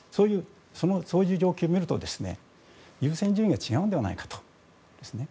そういう状況で見ると優先順位が違うのではないかということですね。